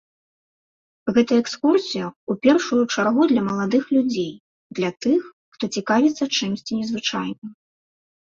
Гэта экскурсія, у першую чаргу, для маладых людзей, для тых, хто цікавіцца чымсьці незвычайным.